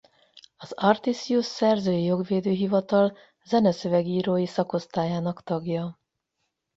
Az Artisjus Szerzői Jogvédő Hivatal zeneszöveg-írói szakosztályának tagja.